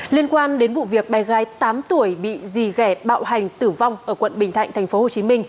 liên quan đến vụ việc bé gái tám tuổi bị dì ghe bạo hành tử vong ở quận bình thạnh tp hcm